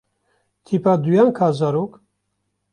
Tîpa duyan ka zarok.